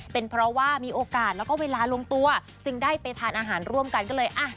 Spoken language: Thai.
เป็นเพราะว่ามีโอกาสแล้วก็เวลาลงตัวจึงได้ไปทานอาหารร่วมกันก็เลยอ่ะ